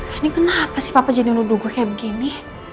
ini kenapa sih papa jadi luduh gue kayak begini